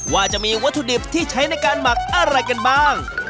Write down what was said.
ว่าจะมีวัตถุดิบที่ใช้ในการหมักอะไรกันบ้าง